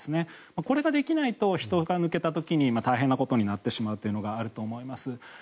これができないと人が抜けた時に大変なことになってしまうというのがあると思います。